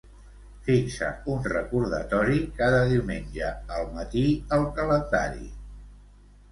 Fixa un recordatori cada diumenge al matí al calendari.